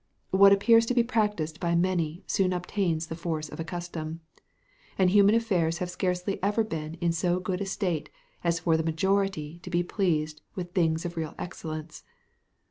What appears to be practiced by many soon obtains the force of a custom. And human affairs have scarcely ever been in so good a state as for the majority to be pleased with things of real excellence.